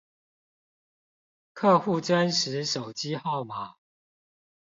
客戶真實手機號碼